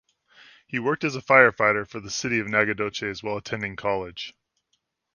He worked as a firefighter for the city of Nacogdoches while attending college.